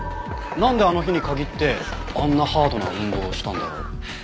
なんであの日に限ってあんなハードな運動をしたんだろう？